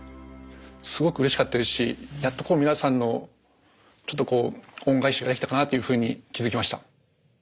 すごくうれしかったですしやっと皆さんのちょっと恩返しができたかなというふうに気付きました。